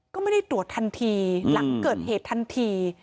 ก็ไม่ได้ตรวจทันทีหลังเกิดเหตุทันที